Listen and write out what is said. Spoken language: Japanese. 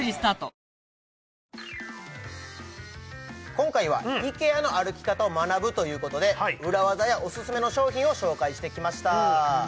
今回はイケアの歩き方を学ぶということで裏技やオススメの商品を紹介してきました